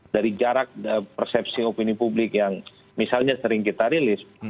dari jarak persepsi opini publik yang misalnya sering kita rilis